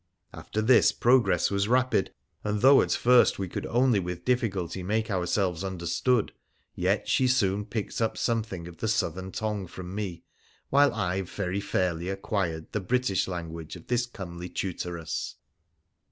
After this progress was rapid, and, though at first we could only with difficulty make ourselves understood, yet she soon picked up something of the Southern tongue from me, while I very fairly acquired the British language of this comely tutoress.